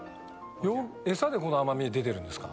エサでこの甘味は出てるんですか？